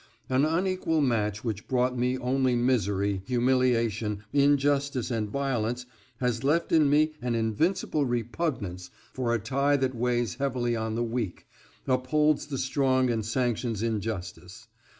"An unequal match which brought me only misery, humiliation, injustice, and violence has left in me an invincible repugnance for a tie that weighs heavily on the weak, upholds the strong and sanctions injustice.